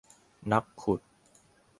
นักขุด